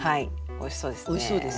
おいしそうです。